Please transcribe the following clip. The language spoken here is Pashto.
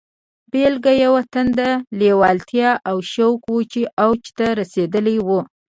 بلکې يوه تنده، لېوالتیا او شوق و چې اوج ته رسېدلی و.